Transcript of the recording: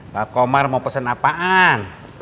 pak komar mau pesen apaan